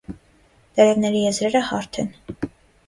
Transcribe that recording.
Տերևների եզրերը հարթ են։